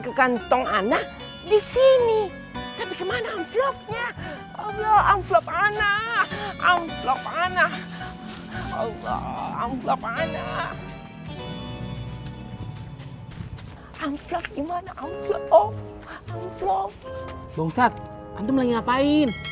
buat ngertiin surat dari patin